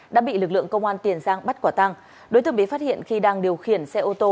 đã bị lực lượng công an tiền giang bắt quả tăng đối tượng bị phát hiện khi đang điều khiển xe ô tô